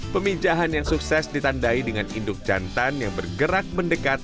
peminjahan yang sukses ditandai dengan induk jantan yang bergerak mendekat